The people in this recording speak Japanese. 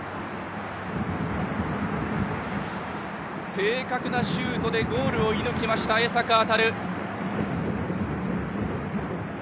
正確なシュートでゴールを射抜きました、江坂任！